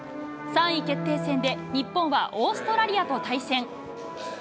３位決定戦で、日本はオーストラリアと対戦。